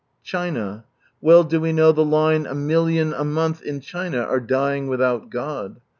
China. Well do we know the line "A million a month in China are dying without God."